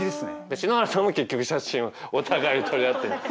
篠原さんも結局写真をお互いに撮り合ってる。